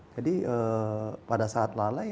jadi pada saat lalai